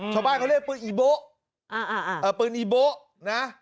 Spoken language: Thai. ชาวบ้านเขาเรียกปืนอีโบ๊ะปืนอีโบ๊ะนะ